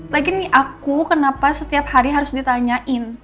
lagi nih aku kenapa setiap hari harus ditanyain